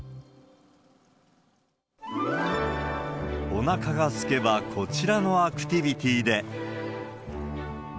おなかが空けば、こちらのアクティビティーで。